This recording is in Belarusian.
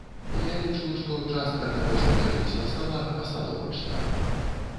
Я лічу, што частка таго, што ляжыць на сталах, пастановачная.